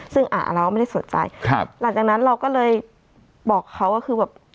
ซึ่งอ่าเราก็ไม่ได้สนใจครับหลังจากนั้นเราก็เลยบอกเขาก็คือแบบ